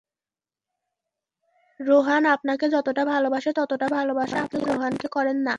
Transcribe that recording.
রেহান আপনাকে যতটা ভালোবাসে ততোটা ভালোবাসা আপনি রেহান কে করেন না।